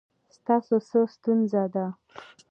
ستاسو څه ستونزه ده؟